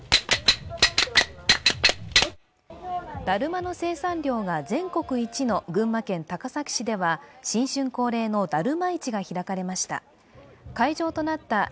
だるまの生産量が全国一の群馬県高崎市では、新春恒例のだるま市が開かれました。